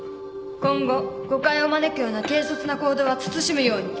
今後誤解を招くような軽率な行動は慎むように。